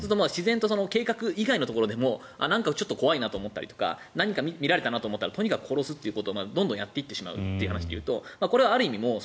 自然と計画以外のところで怖いなと思ったり何か見られたなと思ったらとにかく殺すということをどんどんやっていってしまうということでいうとこれはある意味